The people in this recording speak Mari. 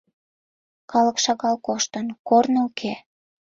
Калык шагал коштын, корно уке.